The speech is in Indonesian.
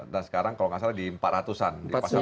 dan sekarang kalau nggak salah di empat ratus an